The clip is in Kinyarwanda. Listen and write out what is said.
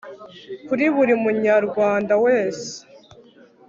kuri buri munyarwanda wese